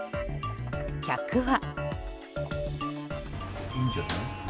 客は。